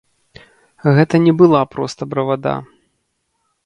Гэта не была проста бравада.